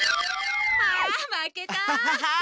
あまけたあ！